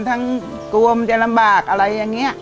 กลัวมันจะลำบากอะไรอย่างนี้